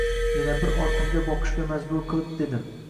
Yana bir ortimga boqishga majbur qilib dedim.